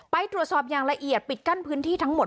ไปตรวจสอบอย่างละเอียดปิดกั้นพื้นที่ทั้งหมด